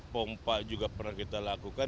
pompa juga pernah kita lakukan